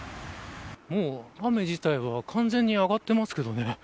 雨自体は完全に上がってますけどね。